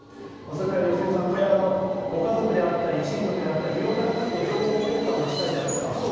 それから良純さんご家族であったり親族であったり色んな方と情報交換をしたりだとか。